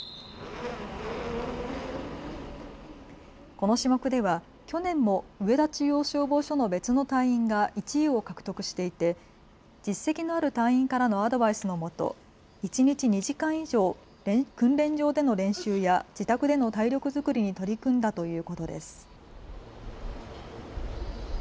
この種目では去年も上田中央消防署の別の隊員が１位を獲得していて実績のある隊員からのアドバイスのもと一日２時間以上、訓練場での練習や自宅での体力作りに取り組んだということです。